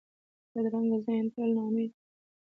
بدرنګه ذهن تل ناامیده وي